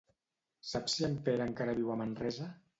Saps si en Pere encara viu a Manresa?